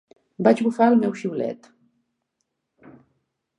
Vaig bufar al meu xiulet.